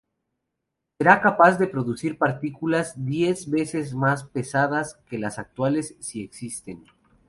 Será capaz de producir partículas diez veces más pesadas que las actuales, si existen.